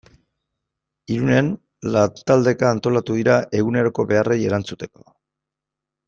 Irunen lantaldeka antolatu dira eguneroko beharrei erantzuteko.